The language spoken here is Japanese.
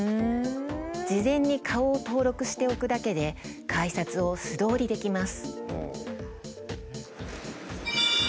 事前に顔を登録しておくだけで改札を素通りできます。